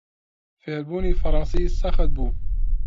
فێربوونی فەڕەنسی سەخت بوو.